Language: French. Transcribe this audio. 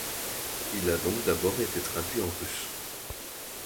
Il a donc d’abord été traduit en russe.